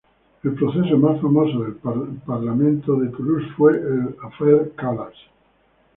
El proceso más famoso del parlamento de Toulouse fue el affaire Calas.